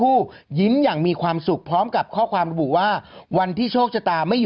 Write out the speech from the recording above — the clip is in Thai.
อึกอึกอึกอึกอึกอึกอึกอึกอึกอึก